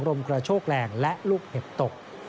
ลมกระโชกแรงและลูกเห็บตก